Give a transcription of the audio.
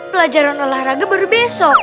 pelajaran olahraga baru besok